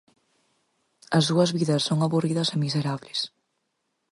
As súas vidas son aburridas e miserables.